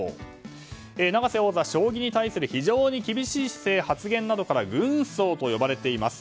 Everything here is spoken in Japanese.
永瀬王座、将棋に対する非常に厳しい姿勢発言などから軍曹と呼ばれています。